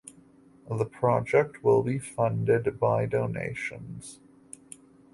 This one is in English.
The project will be funded by donations.